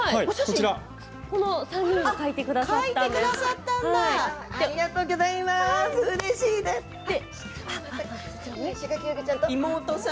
この３人が描いてくださって。